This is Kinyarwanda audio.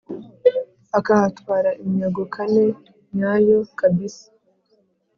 akahatwara iminyago kane nyayo kabisa